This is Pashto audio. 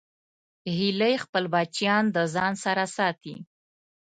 هیلۍ خپل بچیان د ځان سره ساتي